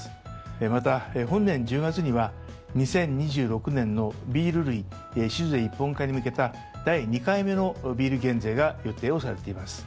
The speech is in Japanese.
また本年１０月には２０２６年のビール類酒税一本化に向けた第２回目のビール減税が予定をされています。